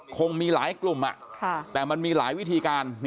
คงมีหลายกลุ่มแต่มันมีหลายวิธีการ